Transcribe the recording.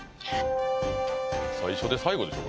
最初で最後でしょ